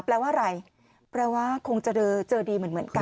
แปลว่าอะไรแปลว่าคงจะเจอดีเหมือนกัน